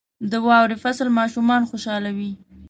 • د واورې فصل ماشومان خوشحالوي.